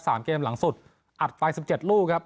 สามเกมหลังสุดอัดไปสิบเจ็ดลูกครับ